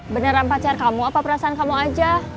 beneran pacar kamu apa perasaan kamu aja